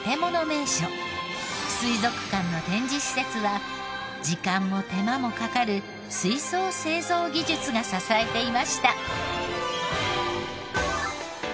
水族館の展示施設は時間も手間もかかる水槽製造技術が支えていました。